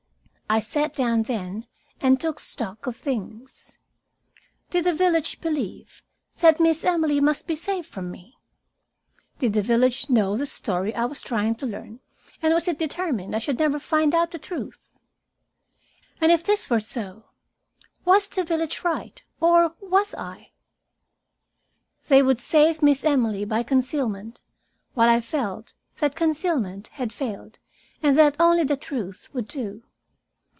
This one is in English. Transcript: I sat down then and took stock of things. Did the village believe that Miss Emily must be saved from me? Did the village know the story I was trying to learn, and was it determined I should never find out the truth? And, if this were so, was the village right or was I? They would save Miss Emily by concealment, while I felt that concealment had failed, and that only the truth would do.